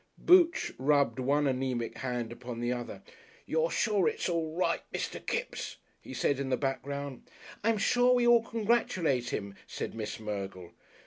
Booch rubbed one anæmic hand upon the other. "You're sure it's all right, Mr. Kipps," he said in the background. "I'm sure we all congratulate him," said Miss Mergle.